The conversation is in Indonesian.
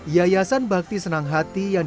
ia kayak gitu sampai sekarang sudah sampai dia mettaya